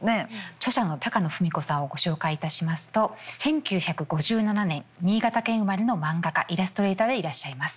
著者の高野文子さんをご紹介いたしますと１９５７年新潟県生まれのマンガ家イラストレーターでいらっしゃいます。